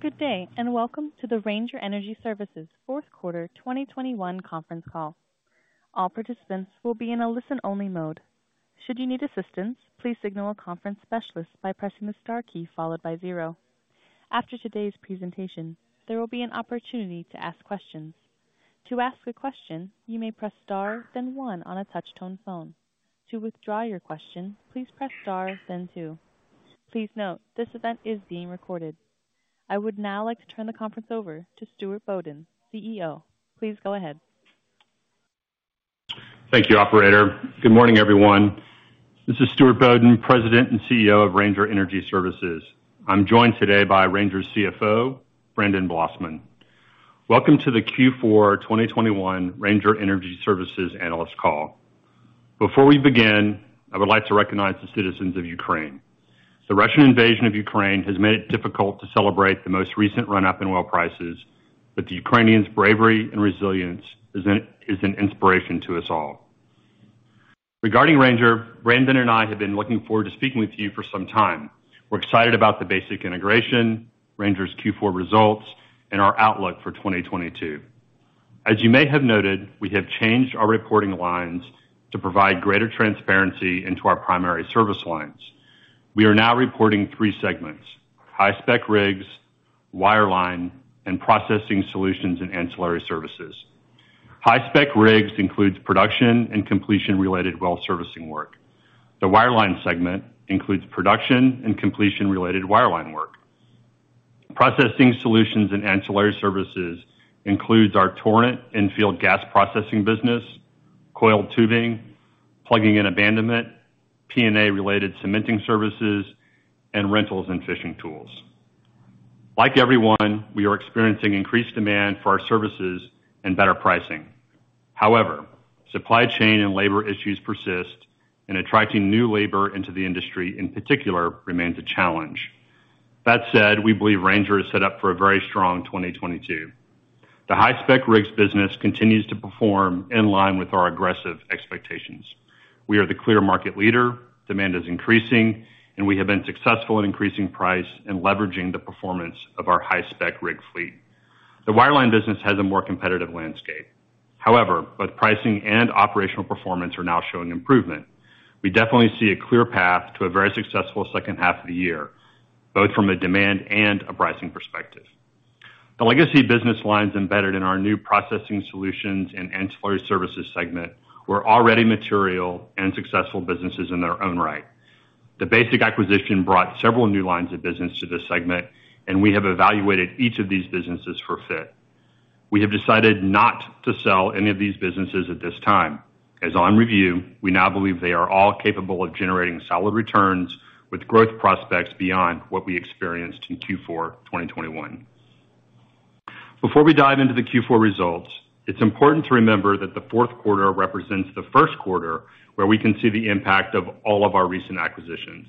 Good day, and welcome to the Ranger Energy Services fourth quarter 2021 conference call. All participants will be in a listen-only mode. Should you need assistance, please signal a conference specialist by pressing the star key followed by zero. After today's presentation, there will be an opportunity to ask questions. To ask a question, you may press star then one on a touch tone phone. To withdraw your question, please press star then two. Please note, this event is being recorded. I would now like to turn the conference over to Stuart Bodden, CEO. Please go ahead. Thank you, operator. Good morning, everyone. This is Stuart Bodden, President and CEO of Ranger Energy Services. I'm joined today by Ranger's CFO, Brandon Blossman. Welcome to the Q4 2021 Ranger Energy Services analyst call. Before we begin, I would like to recognize the citizens of Ukraine. The Russian invasion of Ukraine has made it difficult to celebrate the most recent run-up in oil prices, but the Ukrainians' bravery and resilience is an inspiration to us all. Regarding Ranger, Brandon and I have been looking forward to speaking with you for some time. We're excited about the Basic integration, Ranger's Q4 results, and our outlook for 2022. As you may have noted, we have changed our reporting lines to provide greater transparency into our primary service lines. We are now reporting three segments: High-Spec Rigs, Wireline, and Processing Solutions and Ancillary Services. High-Spec Rigs includes Production and Completion-related Well Servicing work. The Wireline segment includes Production and Completion-related Wireline work. Processing Solutions and Ancillary Services includes our Torrent and Field Gas Processing business, Coiled Tubing, Plugging and Abandonment, P&A-related Cementing Services, and Rentals and Fishing Tools. Like everyone, we are experiencing increased demand for our services and better pricing. However, Supply Chain and Labor issues persist, and attracting new labor into the industry, in particular, remains a challenge. That said, we believe Ranger is set up for a very strong 2022. The High-Spec Rigs business continues to perform in line with our aggressive expectations. We are the clear market leader, demand is increasing, and we have been successful in increasing price and leveraging the performance of our High-Spec Rig fleet. The Wireline business has a more competitive landscape. However, both pricing and operational performance are now showing improvement. We definitely see a clear path to a very successful second half of the year, both from a demand and a pricing perspective. The legacy business lines embedded in our new Processing Solutions and Ancillary Services segment were already material and successful businesses in their own right. The Basic acquisition brought several new lines of business to this segment, and we have evaluated each of these businesses for fit. We have decided not to sell any of these businesses at this time. Upon review, we now believe they are all capable of generating solid returns with growth prospects beyond what we experienced in Q4 2021. Before we dive into the Q4 results, it's important to remember that the fourth quarter represents the first quarter where we can see the impact of all of our recent acquisitions.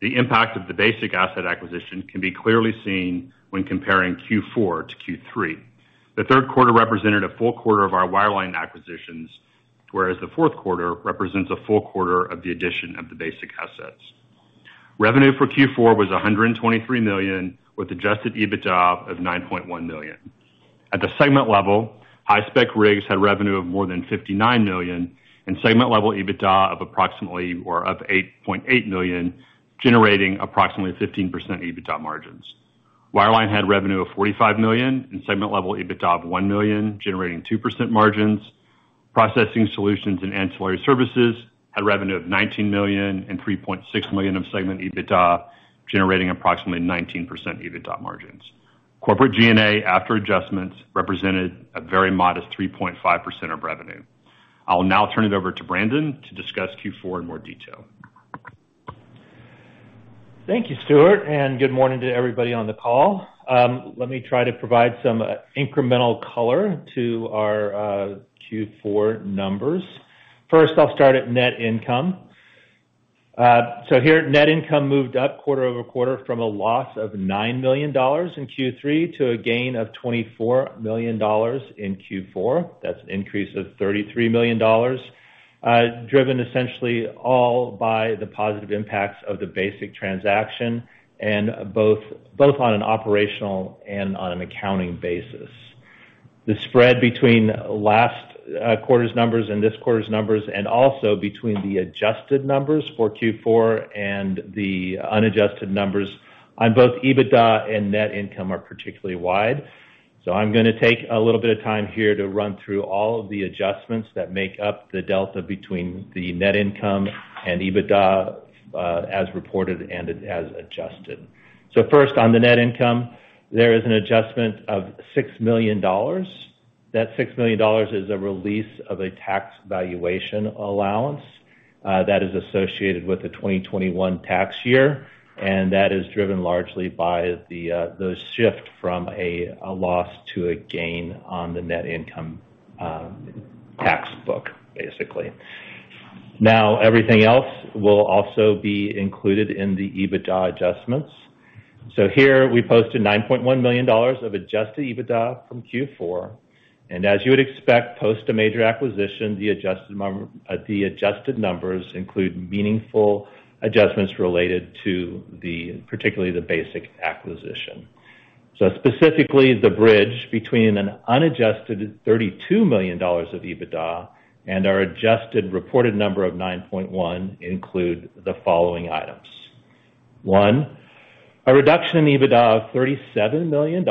The impact of the Basic asset acquisition can be clearly seen when comparing Q4 to Q3. The third quarter represented a full quarter of our Wireline acquisitions, whereas the fourth quarter represents a full quarter of the addition of the Basic assets. Revenue for Q4 was $123 million, with Adjusted EBITDA of $9.1 million. At the segment level, High-Spec Rigs had revenue of more than $59 million and segment-level EBITDA of approximately $8.8 million, generating approximately 15% EBITDA margins. Wireline had revenue of $45 million and segment-level EBITDA of $1 million, generating 2% margins. Processing Solutions and Ancillary Services had revenue of $19 million and $3.6 million of segment EBITDA, generating approximately 19% EBITDA margins. Corporate G&A, after adjustments, represented a very modest 3.5% of revenue. I'll now turn it over to Brandon to discuss Q4 in more detail. Thank you, Stuart, and good morning to everybody on the call. Let me try to provide some incremental color to our Q4 numbers. First, I'll start at net income. So here, net income moved up quarter-over-quarter from a loss of $9 million in Q3 to a gain of $24 million in Q4. That's an increase of $33 million, driven essentially all by the positive impacts of the Basic transaction and both on an operational and on an accounting basis. The spread between last quarter's numbers and this quarter's numbers, and also between the adjusted numbers for Q4 and the unadjusted numbers on both EBITDA and net income are particularly wide. I'm gonna take a little bit of time here to run through all of the adjustments that make up the delta between the net income and EBITDA, as reported and as adjusted. First, on the net income, there is an adjustment of $6 million. That $6 million is a release of a tax valuation allowance, that is associated with the 2021 tax year, and that is driven largely by the shift from a loss to a gain on the net income, tax book, basically. Now, everything else will also be included in the EBITDA adjustments. Here we posted $9.1 million of Adjusted EBITDA from Q4. As you would expect post a major acquisition, the adjusted numbers include meaningful adjustments related to, particularly the Basic acquisition. Specifically, the bridge between an unadjusted $32 million of EBITDA and our adjusted reported number of 9.1 includes the following items. One, a reduction in EBITDA of $37 million,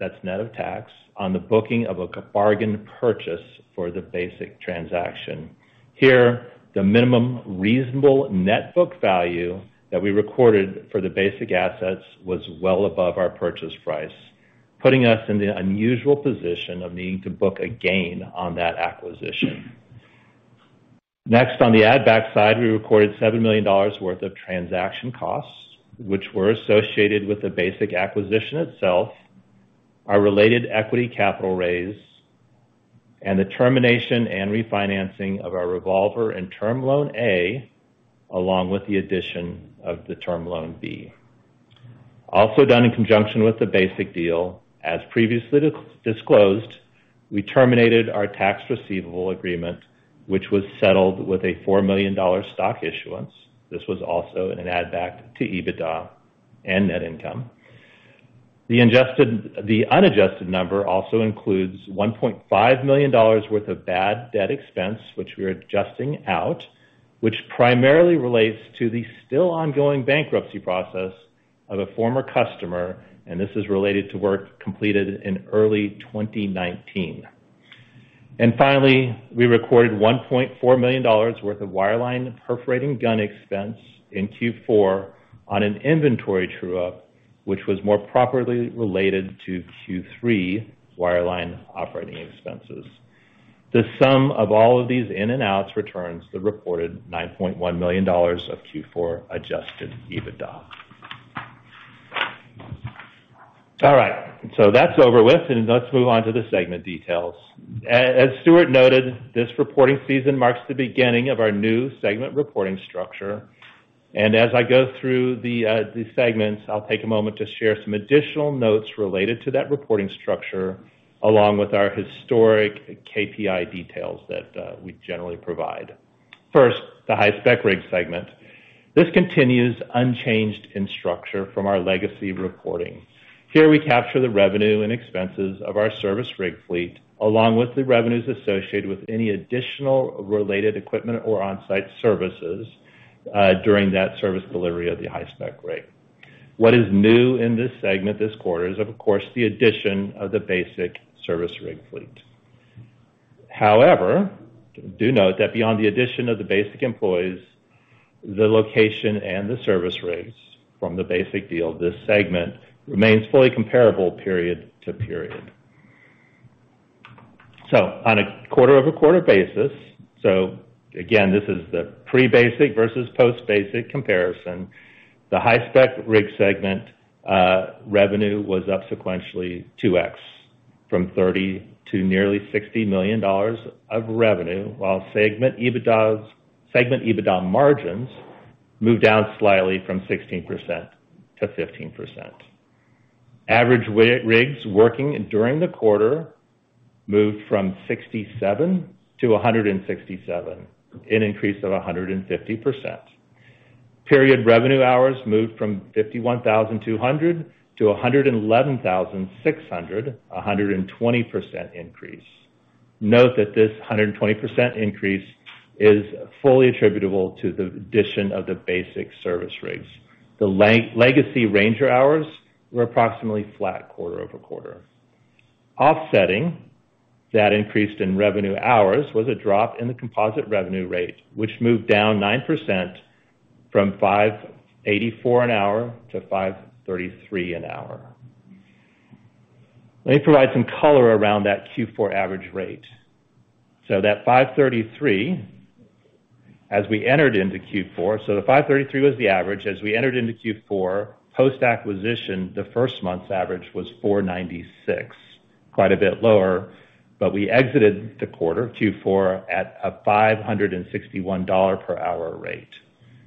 that's net of tax, on the booking of a bargain purchase for the Basic transaction. Here, the minimum reasonable net book value that we recorded for the Basic assets was well above our purchase price, putting us in the unusual position of needing to book a gain on that acquisition. Next, on the add back side, we recorded $7 million worth of transaction costs, which were associated with the Basic acquisition itself, our related equity capital raise, and the termination and refinancing of our revolver and term loan A, along with the addition of the term loan B. Also done in conjunction with the Basic deal, as previously disclosed, we terminated our tax receivable agreement, which was settled with a $4 million stock issuance. This was also in an add back to EBITDA and net income. The unadjusted number also includes $1.5 million worth of bad debt expense, which we are adjusting out, which primarily relates to the still ongoing bankruptcy process of a former customer, and this is related to work completed in early 2019. Finally, we recorded $1.4 million worth of Wireline perforating gun expense in Q4 on an inventory true-up, which was more properly related to Q3 Wireline operating expenses. The sum of all of these in and outs returns the reported $9.1 million of Q4 Adjusted EBITDA. All right, that's over with, and let's move on to the segment details. As Stuart noted, this reporting season marks the beginning of our new segment reporting structure. As I go through the segments, I'll take a moment to share some additional notes related to that reporting structure, along with our historic KPI details that we generally provide. First, the High-Spec Rig segment. This continues unchanged in structure from our legacy reporting. Here we capture the revenue and expenses of our service rig fleet, along with the revenues associated with any additional related equipment or on-site services during that service delivery of the High-Spec Rig. What is new in this segment this quarter is, of course, the addition of the Basic service rig fleet. However, do note that beyond the addition of the Basic employees, the location and the service rigs from the Basic deal of this segment remains fully comparable period to period. On a quarter-over-quarter basis, again, this is the pre-basic versus post-basic comparison. The High-Spec Rig segment revenue was up sequentially 2x from $30 million to nearly $60 million of revenue, while segment EBITDA margins moved down slightly from 16%-15%. Average rigs working during the quarter moved from 67 to 167, an increase of 150%. Period revenue hours moved from 51,200 to 111,600, a 120% increase. Note that this 120% increase is fully attributable to the addition of the Basic service rigs. The legacy Ranger hours were approximately flat quarter-over-quarter. Offsetting that increase in revenue hours was a drop in the composite revenue rate, which moved down 9% from $584 per hour to $533 per hour. Let me provide some color around that Q4 average rate. The $533 was the average. As we entered into Q4, post-acquisition, the first month's average was $496, quite a bit lower, but we exited the quarter, Q4, at a $561 per hour rate.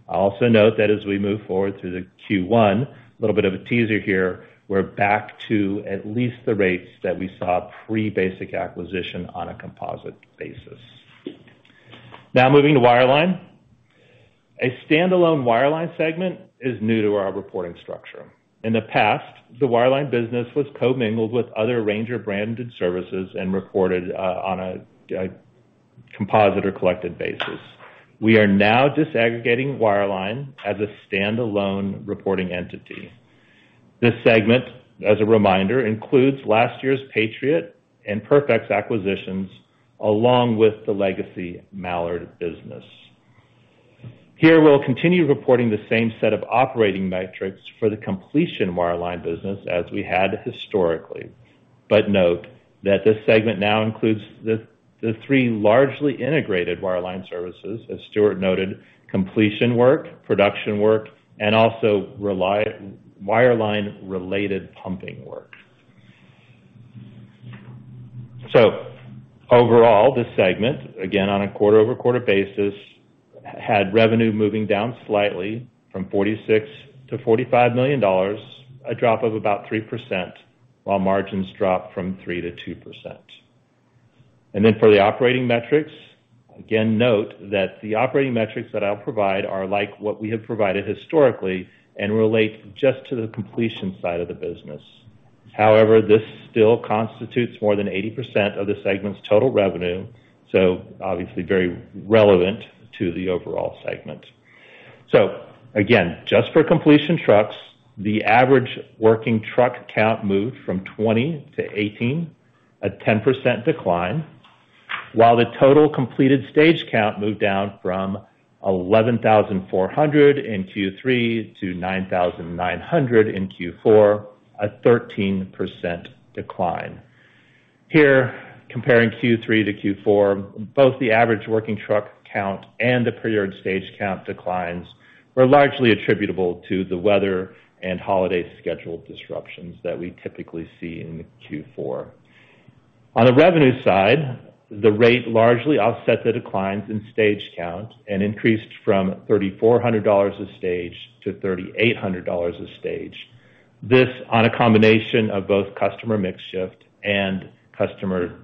I also note that as we move forward through Q1, a little bit of a teaser here, we're back to at least the rates that we saw pre-Basic acquisition on a composite basis. Now moving to Wireline. A standalone Wireline segment is new to our reporting structure. In the past, the Wireline business was co-mingled with other Ranger branded services and reported on a composite or collected basis. We are now disaggregating Wireline as a standalone reporting entity. This segment, as a reminder, includes last year's Patriot and PerfX acquisitions, along with the legacy Mallard business. Here we'll continue reporting the same set of operating metrics for the completion Wireline business as we had historically. Note that this segment now includes the three largely integrated Wireline services, as Stuart noted, Completion work, Production work, and also Wireline-related pumping work. Overall, this segment, again on a quarter-over-quarter basis, had revenue moving down slightly from $46 million-$45 million, a drop of about 3%, while margins dropped from 3%-2%. For the operating metrics, again, note that the operating metrics that I'll provide are like what we have provided historically and relate just to the completion side of the business. However, this still constitutes more than 80% of the segment's total revenue, so obviously very relevant to the overall segment. Again, just for completion trucks, the average working truck count moved from 20% to 18%, a 10% decline, while the total completed stage count moved down from 11,400 in Q3 to 9,900 in Q4, a 13% decline. Here, comparing Q3 to Q4, both the average working truck count and the period stage count declines were largely attributable to the weather and holiday schedule disruptions that we typically see in Q4. On the revenue side, the rate largely offset the declines in stage count and increased from $3,400 a stage to $3,800 a stage. This on a combination of both customer mix shift and customer,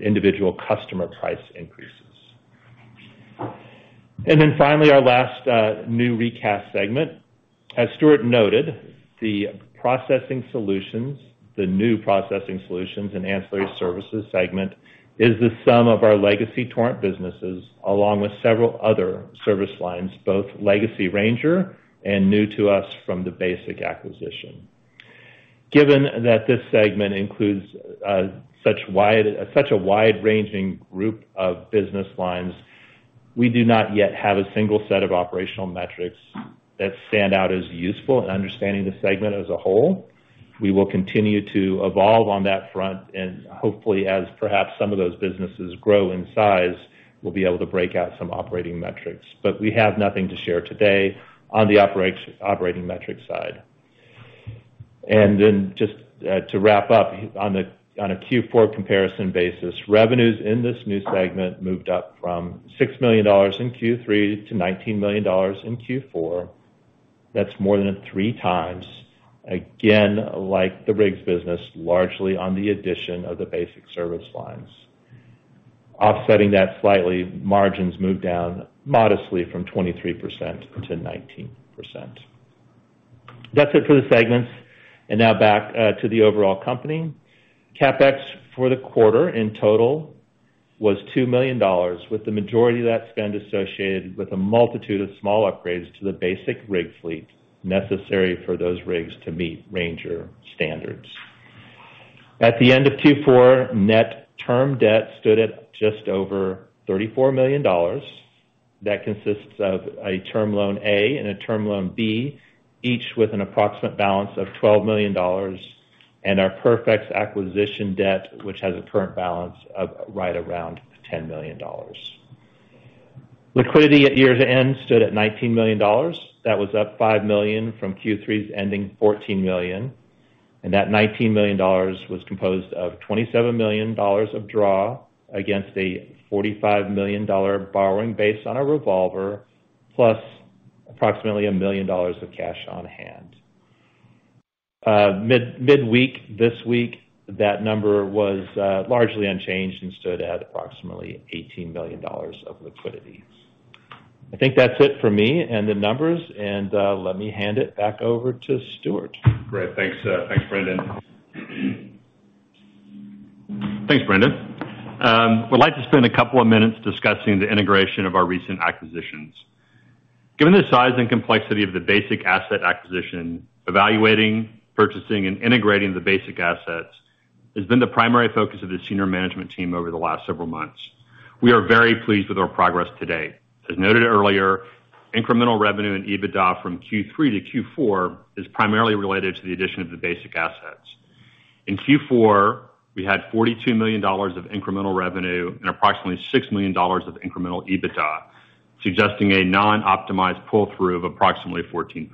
individual customer price increases. Then finally, our last, new recast segment. As Stuart noted, the Processing Solutions and Ancillary Services segment is the sum of our legacy Torrent businesses, along with several other service lines, both legacy Ranger and new to us from the Basic acquisition. Given that this segment includes such a wide-ranging group of business lines, we do not yet have a single set of operational metrics that stand out as useful in understanding the segment as a whole. We will continue to evolve on that front and hopefully as perhaps some of those businesses grow in size, we'll be able to break out some operating metrics. But we have nothing to share today on the operating metric side. Just to wrap up, on a Q4 comparison basis, revenues in this new segment moved up from $6 million in Q3 to $19 million in Q4. That's more than 3x. Again, like the rigs business, largely on the addition of the Basic service lines. Offsetting that slightly, margins moved down modestly from 23%-19%. That's it for the segments. Now back to the overall company. CapEx for the quarter in total was $2 million, with the majority of that spend associated with a multitude of small upgrades to the Basic rig fleet necessary for those rigs to meet Ranger standards. At the end of Q4, net term debt stood at just over $34 million. That consists of a term loan A and a term loan B, each with an approximate balance of $12 million, and our PerfX acquisition debt, which has a current balance of right around $10 million. Liquidity at year's end stood at $19 million. That was up $5 million from Q3's ending $14 million. That $19 million was composed of $27 million of draw against a $45 million borrowing base on a revolver, plus approximately $1 million of cash on hand. Midweek this week, that number was largely unchanged and stood at approximately $18 million of liquidity. I think that's it for me and the numbers, and let me hand it back over to Stuart. Great. Thanks, Brandon. I would like to spend a couple of minutes discussing the integration of our recent acquisitions. Given the size and complexity of the Basic asset acquisition, evaluating, purchasing, and integrating the Basic assets has been the primary focus of the senior management team over the last several months. We are very pleased with our progress to date. As noted earlier, incremental revenue in EBITDA from Q3 to Q4 is primarily related to the addition of the Basic assets. In Q4, we had $42 million of incremental revenue and approximately $6 million of incremental EBITDA, suggesting a non-optimized pull-through of approximately 14%.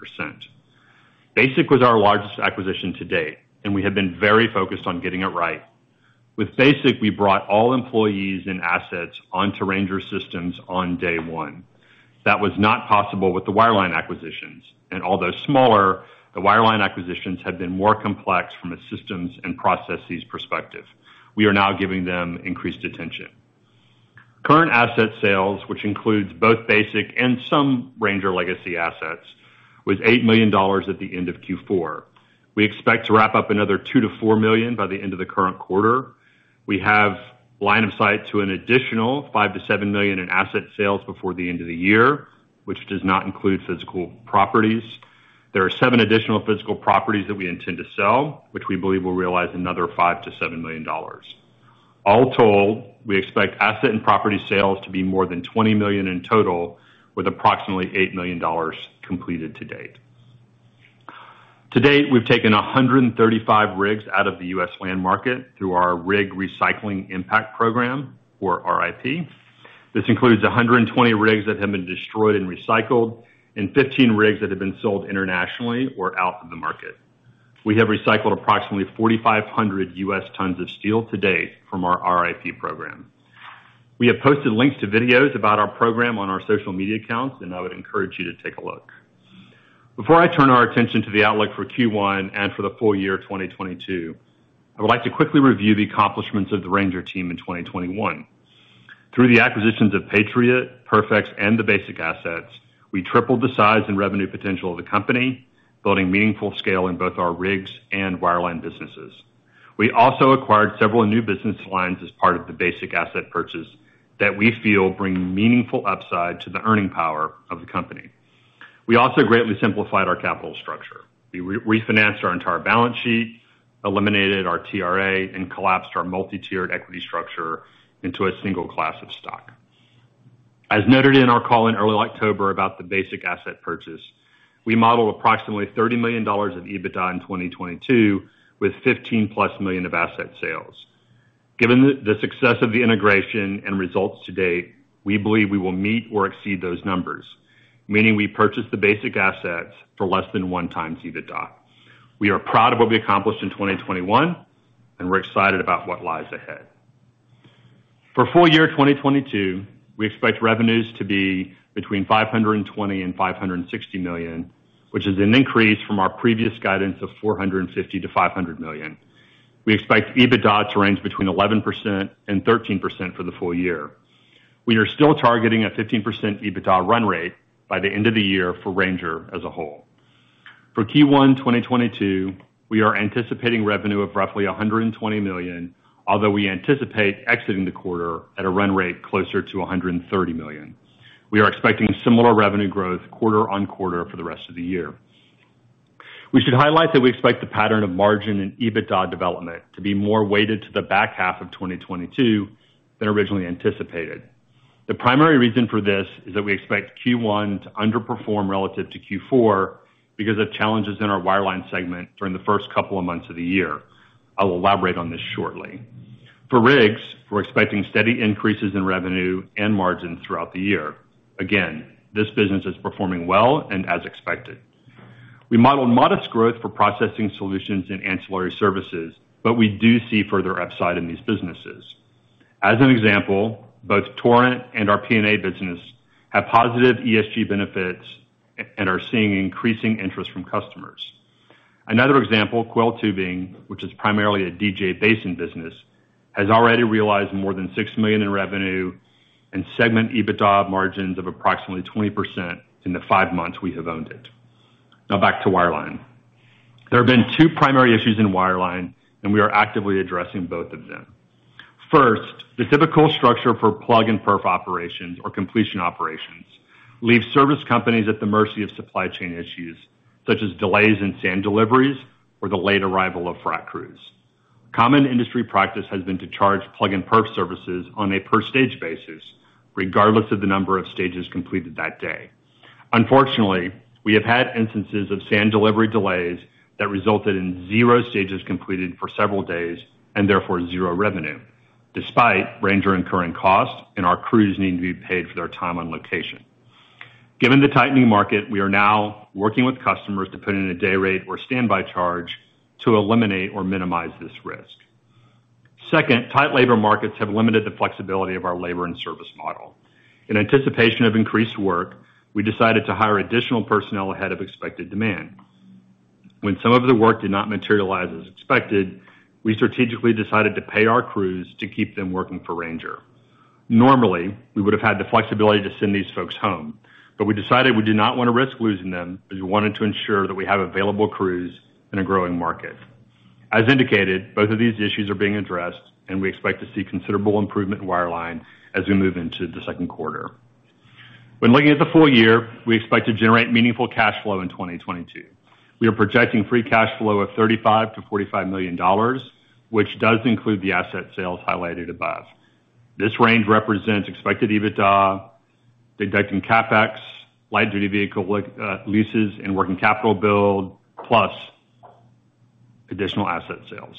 Basic was our largest acquisition to date, and we have been very focused on getting it right. With Basic, we brought all employees and assets onto Ranger systems on day one. That was not possible with the Wireline acquisitions, and although smaller, the Wireline acquisitions had been more complex from a systems and processes perspective. We are now giving them increased attention. Current asset sales, which includes both Basic and some Ranger legacy assets, was $8 million at the end of Q4. We expect to wrap up another $2 million-$4 million by the end of the current quarter. We have line of sight to an additional $5 million-$7 million in asset sales before the end of the year, which does not include physical properties. There are seven additional physical properties that we intend to sell, which we believe will realize another $5 million-$7 million. All told, we expect asset and property sales to be more than $20 million in total, with approximately $8 million completed to date. To date, we've taken 135 rigs out of the U.S. land market through our Rig Recycling Impact Program or RIP. This includes 120 rigs that have been destroyed and recycled and 15 rigs that have been sold internationally or out of the market. We have recycled approximately 4,500 U.S. tons of steel to date from our RIP program. We have posted links to videos about our program on our social media accounts, and I would encourage you to take a look. Before I turn our attention to the outlook for Q1 and for the full year 2022, I would like to quickly review the accomplishments of the Ranger team in 2021. Through the acquisitions of Patriot, PerfX, and the Basic assets, we tripled the size and revenue potential of the company, building meaningful scale in both our Rigs and Wireline businesses. We also acquired several new business lines as part of the Basic asset purchase that we feel bring meaningful upside to the earning power of the company. We also greatly simplified our capital structure. We re-refinanced our entire balance sheet, eliminated our TRA, and collapsed our multi-tiered equity structure into a single class of stock. As noted in our call in early October about the Basic asset purchase, we model approximately $30 million of EBITDA in 2022 with $15+ million of asset sales. Given the success of the integration and results to date, we believe we will meet or exceed those numbers, meaning we purchased the Basic assets for less than 1x EBITDA. We are proud of what we accomplished in 2021, and we're excited about what lies ahead. For full year 2022, we expect revenues to be between $520 million and $560 million, which is an increase from our previous guidance of $450 million-$500 million. We expect EBITDA to range between 11% and 13% for the full year. We are still targeting a 15% EBITDA run rate by the end of the year for Ranger as a whole. For Q1 2022, we are anticipating revenue of roughly $120 million, although we anticipate exiting the quarter at a run rate closer to $130 million. We are expecting similar revenue growth quarter-over-quarter for the rest of the year. We should highlight that we expect the pattern of margin and EBITDA development to be more weighted to the back half of 2022 than originally anticipated. The primary reason for this is that we expect Q1 to underperform relative to Q4 because of challenges in our Wireline segment during the first couple of months of the year. I will elaborate on this shortly. For rigs, we're expecting steady increases in revenue and margin throughout the year. Again, this business is performing well and as expected. We modeled modest growth for Processing Solutions and Ancillary Services, but we do see further upside in these businesses. As an example, both Torrent and our P&A business have positive ESG benefits and are seeing increasing interest from customers. Another example, Coiled Tubing, which is primarily a DJ Basin business, has already realized more than $6 million in revenue and segment EBITDA margins of approximately 20% in the five months we have owned it. Now back to Wireline. There have been two primary issues in Wireline, and we are actively addressing both of them. First, the typical structure for plug and perf operations or completion operations leaves service companies at the mercy of supply chain issues, such as delays in sand deliveries or the late arrival of frac crews. Common industry practice has been to charge Plug and Perf services on a per stage basis, regardless of the number of stages completed that day. Unfortunately, we have had instances of sand delivery delays that resulted in zero stages completed for several days and therefore zero revenue, despite Ranger incurring costs and our crews needing to be paid for their time on location. Given the tightening market, we are now working with customers to put in a day rate or standby charge to eliminate or minimize this risk. Second, tight labor markets have limited the flexibility of our labor and service model. In anticipation of increased work, we decided to hire additional personnel ahead of expected demand. When some of the work did not materialize as expected, we strategically decided to pay our crews to keep them working for Ranger. Normally, we would have had the flexibility to send these folks home, but we decided we did not wanna risk losing them as we wanted to ensure that we have available crews in a growing market. As indicated, both of these issues are being addressed, and we expect to see considerable improvement in Wireline as we move into the second quarter. When looking at the full year, we expect to generate meaningful cash flow in 2022. We are projecting free cash flow of $35 million-$45 million, which does include the asset sales highlighted above. This range represents expected EBITDA deducting CapEx, light duty vehicle leases and working capital build, plus additional asset sales.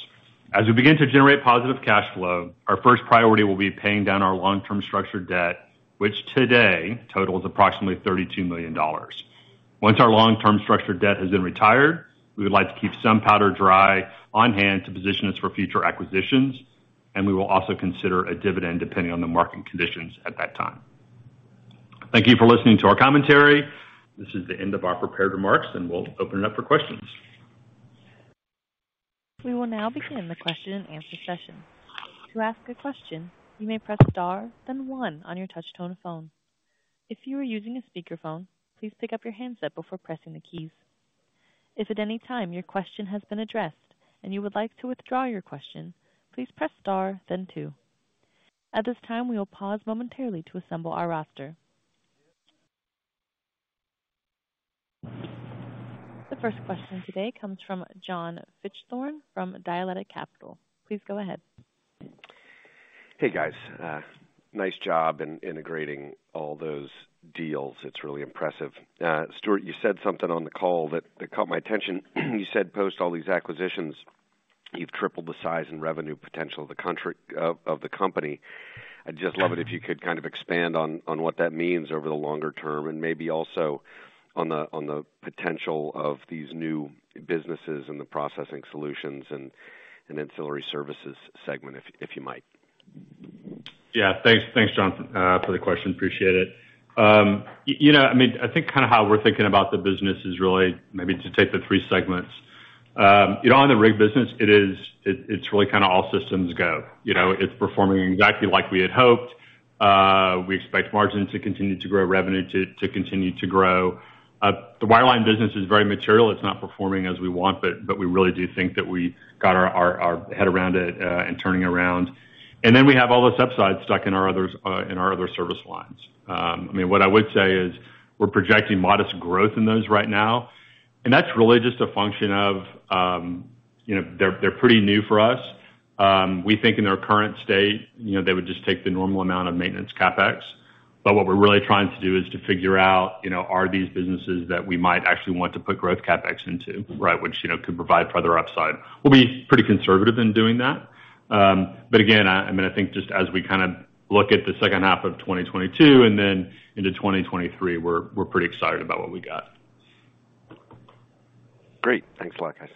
As we begin to generate positive cash flow, our first priority will be paying down our long-term structured debt, which today totals approximately $32 million. Once our long-term structured debt has been retired, we would like to keep some powder dry on-hand to position us for future acquisitions, and we will also consider a dividend depending on the market conditions at that time. Thank you for listening to our commentary. This is the end of our prepared remarks, and we'll open it up for questions. We will now begin the question and answer session. To ask a question, you may press star then one on your touchtone phone. If you are using a speakerphone, please pick up your handset before pressing the keys. If at any time your question has been addressed and you would like to withdraw your question, please press star then two. At this time, we will pause momentarily to assemble our roster. The first question today comes from John Fichthorn from Dialectic Capital. Please go ahead. Hey, guys. Nice job in integrating all those deals. It's really impressive. Stuart, you said something on the call that caught my attention. You said post all these acquisitions You've tripled the size and revenue potential of the company. I'd just love it if you could kind of expand on what that means over the longer term and maybe also on the potential of these new businesses and the Processing Solutions and Ancillary Services segment if you might. Yeah, thanks, John, for the question. Appreciate it. You know, I mean, I think kind of how we're thinking about the business is really maybe to take the three segments. You know, on the rig business, it's really kind of all systems go. You know, it's performing exactly like we had hoped. We expect margins to continue to grow, revenue to continue to grow. The Wireline business is very material. It's not performing as we want, but we really do think that we got our head around it and turning around. Then we have all this upside stuck in our other service lines. I mean, what I would say is we're projecting modest growth in those right now. That's really just a function of, you know, they're pretty new for us. We think in their current state, you know, they would just take the normal amount of maintenance CapEx. But what we're really trying to do is to figure out, you know, are these businesses that we might actually want to put growth CapEx into, right? Which, you know, could provide further upside. We'll be pretty conservative in doing that. But again, I mean, I think just as we kinda look at the second half of 2022 and then into 2023, we're pretty excited about what we got. Great. Thanks a lot, guys.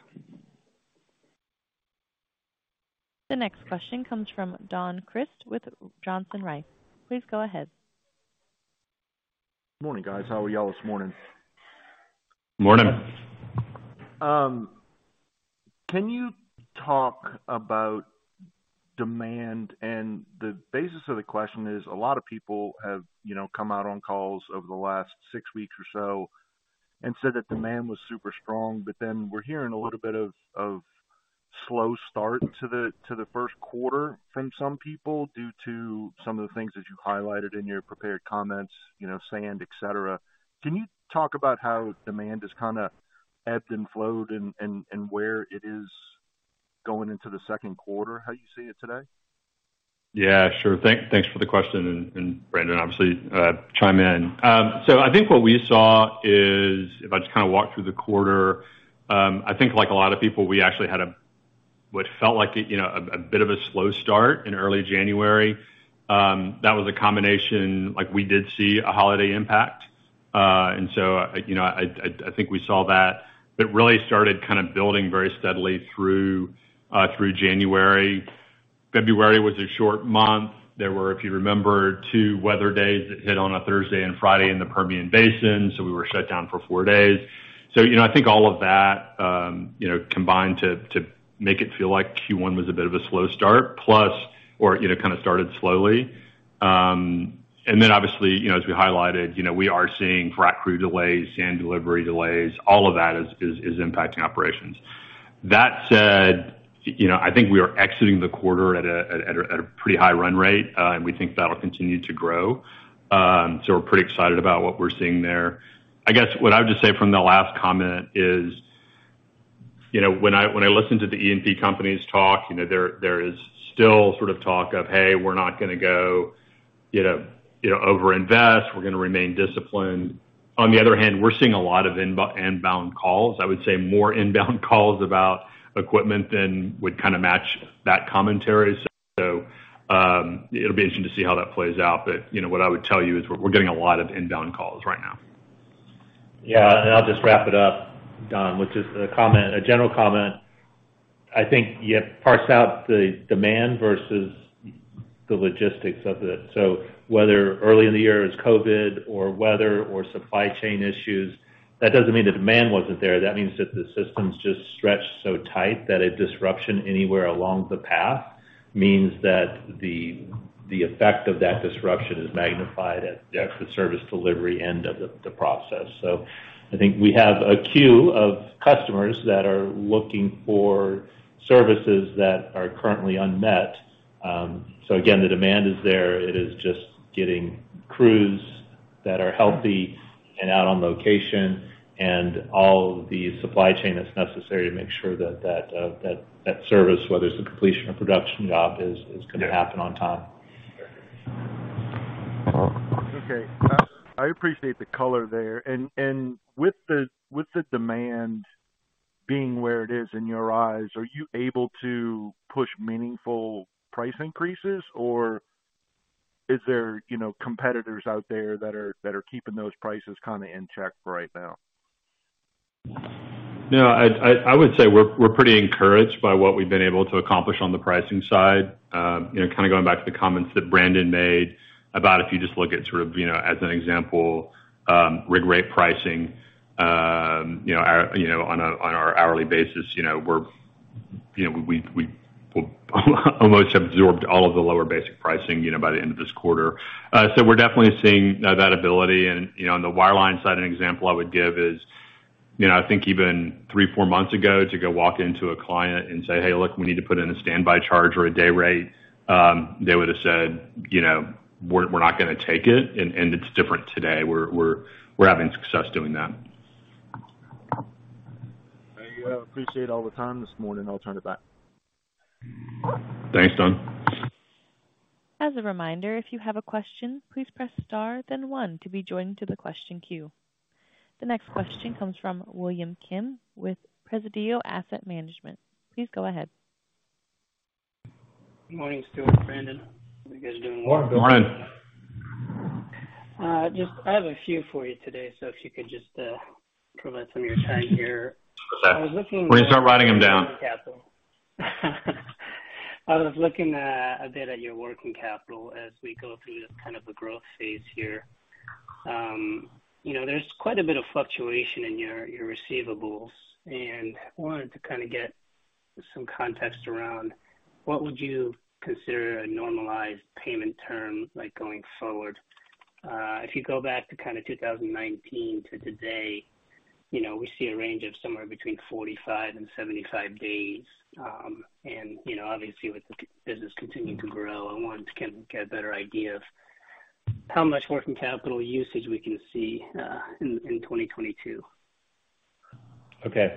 The next question comes from Don Crist with Johnson Rice. Please go ahead. Morning, guys. How are y'all this morning? Morning. Can you talk about demand? The basis of the question is, a lot of people have, you know, come out on calls over the last six weeks or so and said that demand was super strong, but then we're hearing a little bit of a slow start to the first quarter from some people due to some of the things that you highlighted in your prepared comments, you know, sand, et cetera. Can you talk about how demand has kinda ebbed and flowed and where it is going into the second quarter, how you see it today? Yeah, sure. Thanks for the question, and Brandon, obviously, chime in. So I think what we saw is, if I just kind of walk through the quarter, I think like a lot of people, we actually had a what felt like a bit of a slow start in early January. That was a combination, like we did see a holiday impact. You know, I think we saw that. It really started kind of building very steadily through January. February was a short month. There were, if you remember, two weather days that hit on a Thursday and Friday in the Permian Basin, so we were shut down for four days. You know, I think all of that, you know, combined to make it feel like Q1 was a bit of a slow start, you know, kinda started slowly. Then obviously, you know, as we highlighted, you know, we are seeing frac crew delays, sand delivery delays, all of that is impacting operations. That said, you know, I think we are exiting the quarter at a pretty high run rate, and we think that'll continue to grow. We're pretty excited about what we're seeing there. I guess what I would just say from the last comment is, you know, when I listen to the E&P companies talk, you know, there is still sort of talk of, "Hey, we're not gonna go, you know, overinvest. We're gonna remain disciplined. On the other hand, we're seeing a lot of inbound calls, I would say more inbound calls about equipment than would kind of match that commentary. It'll be interesting to see how that plays out. You know, what I would tell you is we're getting a lot of inbound calls right now. Yeah. I'll just wrap it up, Don, with just a comment, a general comment. I think you have to parse out the demand versus the logistics of it. Whether early in the year it's COVID or weather or supply chain issues, that doesn't mean the demand wasn't there. That means that the system's just stretched so tight that a disruption anywhere along the path means that the effect of that disruption is magnified at the service delivery end of the process. I think we have a queue of customers that are looking for services that are currently unmet. Again, the demand is there. It is just getting crews that are healthy and out on location and all the supply chain that's necessary to make sure that service, whether it's a Completion or Production job, is gonna happen on time. Okay. I appreciate the color there. With the demand being where it is in your eyes, are you able to push meaningful price increases, or is there, you know, competitors out there that are keeping those prices kind of in check right now? No, I would say we're pretty encouraged by what we've been able to accomplish on the pricing side. You know, kind of going back to the comments that Brandon made about if you just look at sort of, you know, as an example, rig rate pricing, you know, our on an hourly basis, you know, we're, you know, we've almost absorbed all of the lower Basic pricing, you know, by the end of this quarter. So we're definitely seeing that ability. You know, on the Wireline side, an example I would give is, you know, I think even three, four months ago, to go walk into a client and say, "Hey, look, we need to put in a standby charge or a day rate," they would've said, you know, "We're not gonna take it." It's different today. We're having success doing that. There you go. Appreciate all the time this morning. I'll turn it back. Thanks, Don. As a reminder, if you have a question, please press star then one to be joined to the question queue. The next question comes from William Kim with Presidio Asset Management. Please go ahead. Morning, Stuart, Brandon. How are you guys doing? Morning. Morning. Just, I have a few for you today, so if you could just provide some of your time here. We're going to start writing them down. I was looking a bit at your working capital as we go through this kind of a growth phase here. You know, there's quite a bit of fluctuation in your receivables, and wanted to kinda get some context around what would you consider a normalized payment term, like, going forward. If you go back to kind of 2019 to today, you know, we see a range of somewhere between 45 and 75 days. You know, obviously, with the business continuing to grow, I wanted to get a better idea of how much working capital usage we can see in 2022.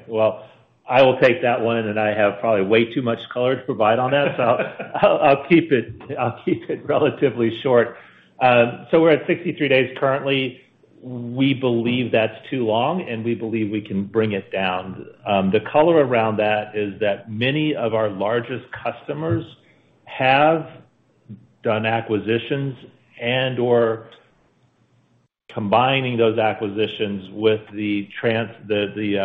Well, I will take that one, and I have probably way too much color to provide on that. I'll keep it relatively short. We're at 63 days currently. We believe that's too long, and we believe we can bring it down. The color around that is that many of our largest customers have done acquisitions and/or combining those acquisitions with the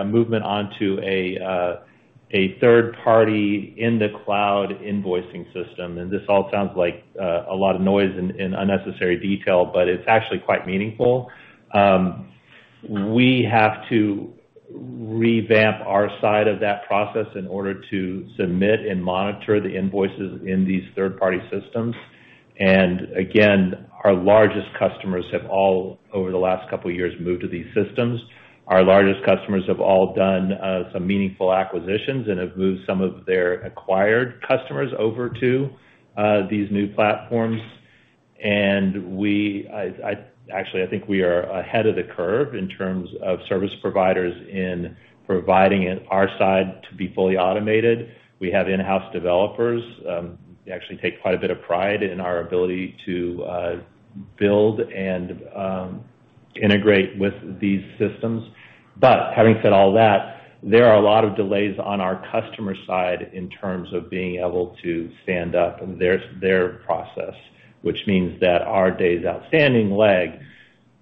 movement onto a third party in the cloud invoicing system. This all sounds like a lot of noise and unnecessary detail, but it's actually quite meaningful. We have to revamp our side of that process in order to submit and monitor the invoices in these third-party systems. Again, our largest customers have all, over the last couple years, moved to these systems. Our largest customers have all done some meaningful acquisitions and have moved some of their acquired customers over to these new platforms. I actually think we are ahead of the curve in terms of service providers in providing on our side to be fully automated. We have in-house developers. We actually take quite a bit of pride in our ability to build and integrate with these systems. Having said all that, there are a lot of delays on our customer side in terms of being able to stand up their process, which means that our days outstanding lag.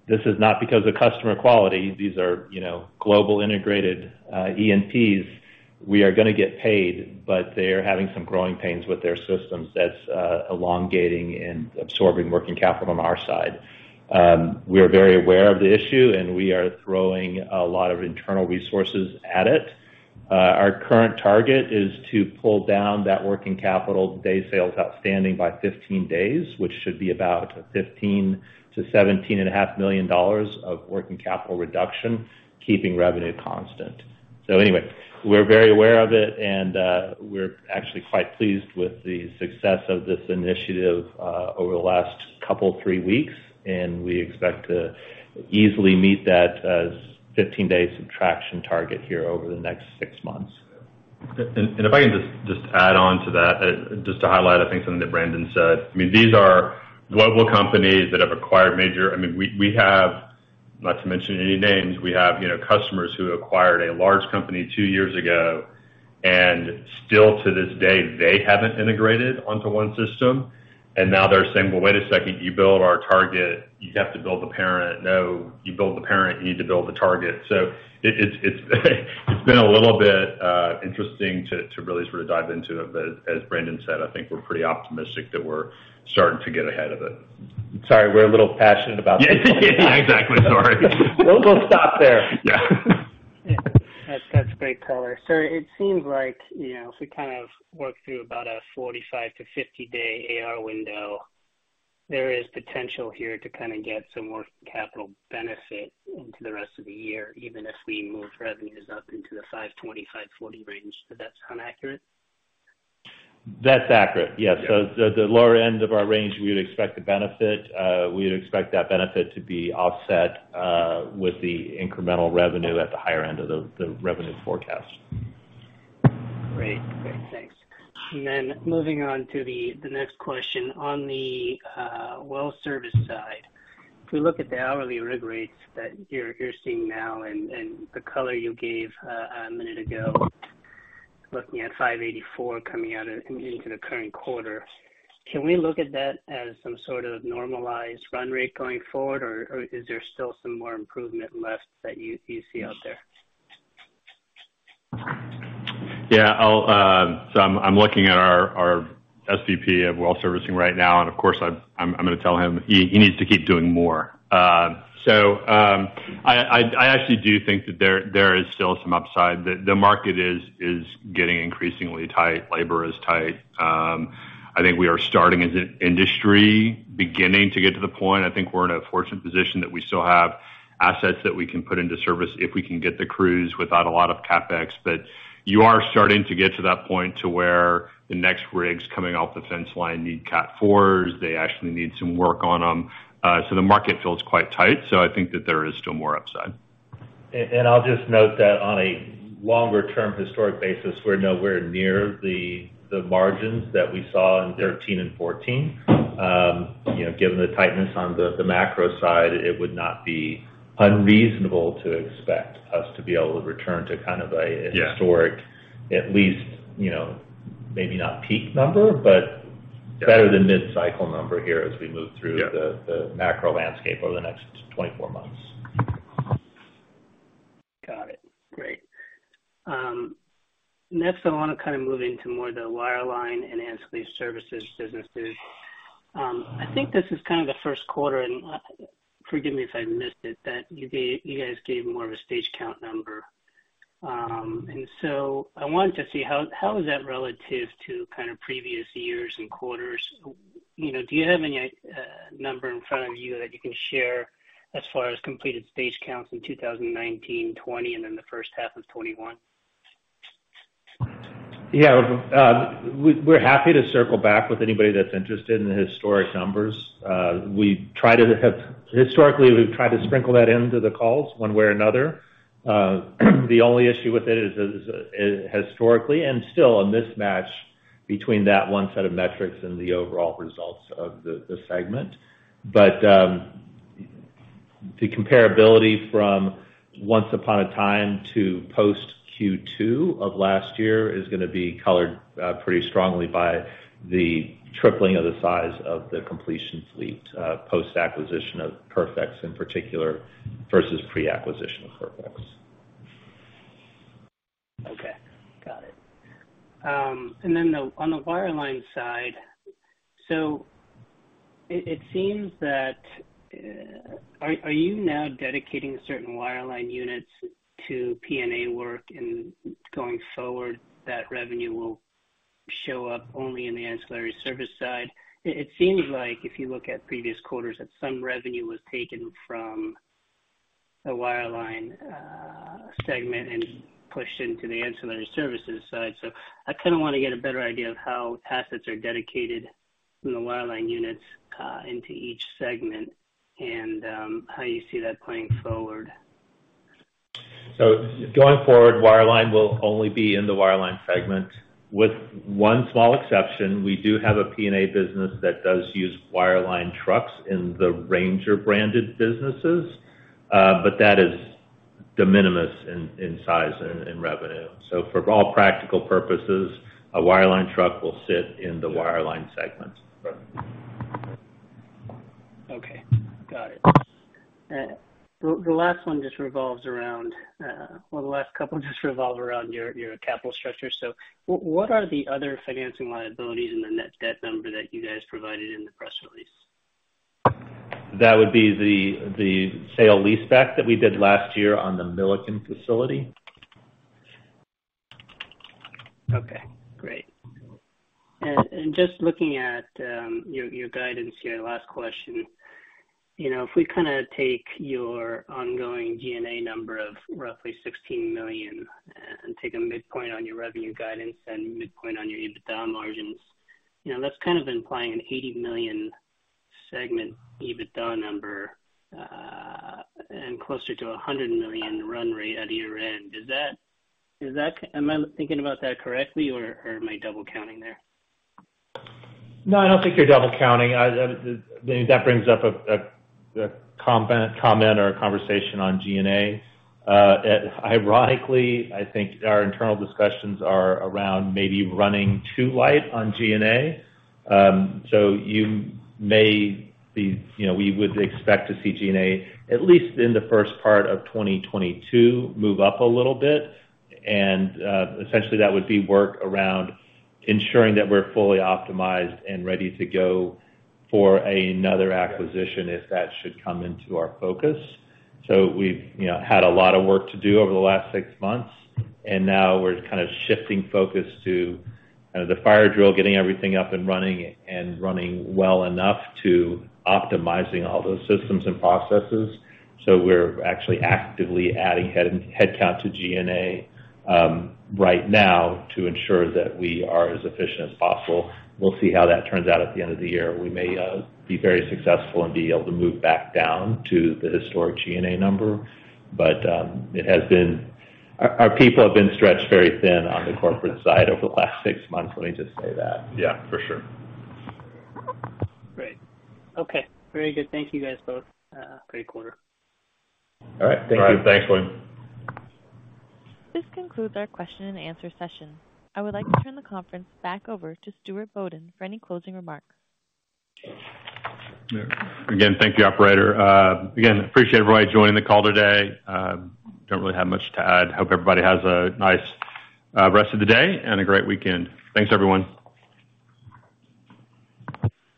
This is not because of customer quality. These are, you know, global integrated E&Ps. We are gonna get paid, but they are having some growing pains with their systems that's elongating and absorbing working capital on our side. We are very aware of the issue, and we are throwing a lot of internal resources at it. Our current target is to pull down that working capital Days Sales Outstanding by 15 days, which should be about $15 million-$17.5 million of working capital reduction, keeping revenue constant. Anyway, we're very aware of it and, we're actually quite pleased with the success of this initiative, over the last couple, three weeks, and we expect to easily meet that 15-day subtraction target here over the next six months. If I can just add on to that, just to highlight, I think something that Brandon said. I mean, these are global companies that have acquired major. I mean, we have, not to mention any names, you know, customers who acquired a large company two years ago, and still to this day, they haven't integrated onto one system. Now they're saying, "Well, wait a second. You build our target, you have to build the parent." No, you build the parent, you need to build the target. It's been a little bit interesting to really sort of dive into it. As Brandon said, I think we're pretty optimistic that we're starting to get ahead of it. Sorry, we're a little passionate about this. Yeah. Exactly. Sorry. We'll stop there. Yeah. That's great color. It seems like, you know, if we kind of work through about a 45-50 day AR window, there is potential here to kinda get some more capital benefit into the rest of the year, even if we move revenues up into the $520-$540 range. Does that sound accurate? That's accurate. Yes. Yeah. The lower end of our range, we would expect the benefit. We'd expect that benefit to be offset with the incremental revenue at the higher end of the revenue forecast. Great. Thanks. Moving on to the next question. On the well service side, if we look at the hourly rig rates that you're seeing now and the color you gave a minute ago, looking at 584 coming out of and into the current quarter, can we look at that as some sort of normalized run rate going forward or is there still some more improvement left that you see out there? Yeah. I'll so I'm looking at our SVP of well servicing right now, and of course, I'm gonna tell him he needs to keep doing more. I actually do think that there is still some upside. The market is getting increasingly tight. Labor is tight. I think we are starting as an industry beginning to get to the point. I think we're in a fortunate position that we still have assets that we can put into service if we can get the crews without a lot of CapEx. You are starting to get to that point to where the next rigs coming off the fence line need Category IV. They actually need some work on them. The market feels quite tight, so I think that there is still more upside. I'll just note that on a longer-term historic basis, we're nowhere near the margins that we saw in 2013 and 2014. You know, given the tightness on the macro side, it would not be unreasonable to expect us to be able to return to kind of a Yeah. historic, at least, you know, maybe not peak number, but. Yeah. better than mid-cycle number here as we move through. Yeah. the macro landscape over the next 24 months. Got it. Great. Next I wanna kind of move into more the Wireline and Ancillary Services businesses. I think this is kind of the first quarter, and forgive me if I missed it, that you guys gave more of a stage count number. I wanted to see how is that relative to kind of previous years and quarters? You know, do you have any number in front of you that you can share as far as completed stage counts in 2019, 2020, and then the first half of 2021? Yeah. We're happy to circle back with anybody that's interested in the historical numbers. Historically, we've tried to sprinkle that into the calls one way or another. The only issue with it is historically and still a mismatch between that one set of metrics and the overall results of the segment. The comparability from once upon a time to post Q2 of last year is gonna be colored pretty strongly by the tripling of the size of the completion fleet post-acquisition of PerfX in particular, versus pre-acquisition of PerfX. Okay. Got it. On the Wireline side, so it seems that are you now dedicating certain Wireline units to P&A work, and going forward that revenue will show up only in the Ancillary service side? It seems like if you look at previous quarters that some revenue was taken from the Wireline segment and pushed into the Ancillary Services side. I kinda wanna get a better idea of how assets are dedicated from the Wireline units into each segment and how you see that playing forward. Going forward, Wireline will only be in the Wireline segment with one small exception. We do have a P&A business that does use Wireline trucks in the Ranger branded businesses, but that is de minimis in size and in revenue. For all practical purposes, a Wireline truck will sit in the Wireline segment. Right. Okay. Got it. The last couple just revolve around your capital structure. What are the other financing liabilities in the net debt number that you guys provided in the press release? That would be the sale-leaseback that we did last year on the Milliken facility. Okay, great. Just looking at your guidance here, last question. You know, if we take your ongoing G&A number of roughly $16 million and take a midpoint on your revenue guidance and midpoint on your EBITDA margins, you know, that's kind of implying an $80 million segment EBITDA number, and closer to a $100 million run rate at year-end. Does that am I thinking about that correctly, or am I double counting there? No, I don't think you're double counting. That brings up a comment or a conversation on G&A. Ironically, I think our internal discussions are around maybe running too light on G&A. You may be, you know, we would expect to see G&A, at least in the first part of 2022, move up a little bit. Essentially that would be work around ensuring that we're fully optimized and ready to go for another acquisition if that should come into our focus. You know, we've had a lot of work to do over the last six months, and now we're kind of shifting focus to the fire drill, getting everything up and running and running well enough to optimizing all those systems and processes. We're actually actively adding headcount to G&A right now to ensure that we are as efficient as possible. We'll see how that turns out at the end of the year. We may be very successful and be able to move back down to the historic G&A number. But it has been. Our people have been stretched very thin on the corporate side over the last six months, let me just say that. Yeah, for sure. Great. Okay, very good. Thank you, guys, both. Great quarter. All right. Thank you. All right. Thanks, William. This concludes our question and answer session. I would like to turn the conference back over to Stuart Bodden for any closing remarks. Again, thank you, operator. Again, I appreciate everybody joining the call today. Don't really have much to add. Hope everybody has a nice rest of the day and a great weekend. Thanks, everyone.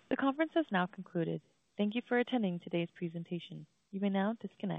The conference has now concluded. Thank you for attending today's presentation. You may now disconnect.